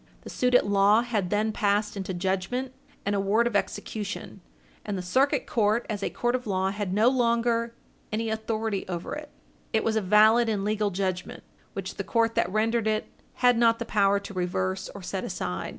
The suit at law had then passed into judgment and award of execution, and the Circuit Court, as a court of law, had no longer any authority over it. It was a valid and legal judgment, which the court that rendered it had not the power to reverse or set aside.